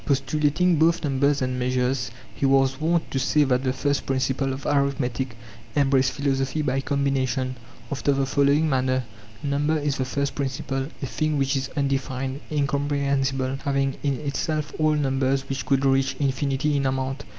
Postulating both numbers and measures he was wont to say that the first principle of arithmetic em braced philosophy by combination, after the following manner :' Number is the first principle, a thing which is unde fined, incomprehensible, having in itself all numbers which could reach infinity in amount.